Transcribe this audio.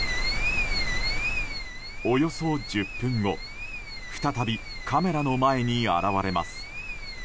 およそ１０分後再び、カメラの前に現れます。